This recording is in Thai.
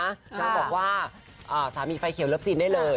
นางบอกว่าสามีไฟเขียวเลิฟซีนได้เลย